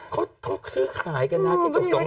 เขาซื้อขายกันบ้าง